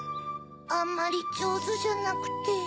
あんまりじょうずじゃなくて。